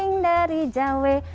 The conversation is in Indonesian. datang dari jawa